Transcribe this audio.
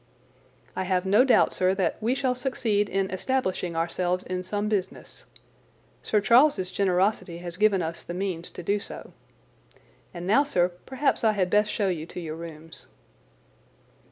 "I have no doubt, sir, that we shall succeed in establishing ourselves in some business. Sir Charles's generosity has given us the means to do so. And now, sir, perhaps I had best show you to your rooms."